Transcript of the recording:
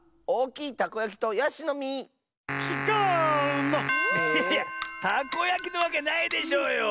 いやいやたこやきなわけないでしょうよ。